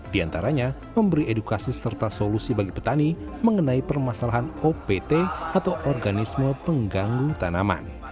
di antaranya memberi edukasi serta solusi bagi petani mengenai permasalahan opt atau organisme pengganggu tanaman